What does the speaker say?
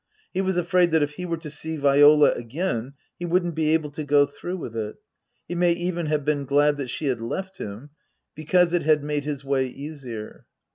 He was afraid that if he were to see Viola again he wouldn't be able to go through with it. He may even have been glad that she had left him, because it had made his way easier.